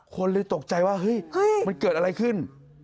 คนเลยตกใจว่าเฮ้ยมันเกิดอะไรขึ้น